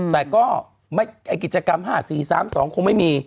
แต่ก็กิจกรรม๕๔๓๒คงไม่มี